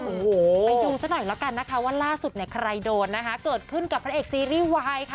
โอ้โหไปดูซะหน่อยแล้วกันนะคะว่าล่าสุดเนี่ยใครโดนนะคะเกิดขึ้นกับพระเอกซีรีส์วายค่ะ